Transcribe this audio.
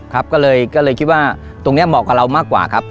ครับก็เลยคิดว่าตรงนี้เหมาะกับเรามากกว่าครับ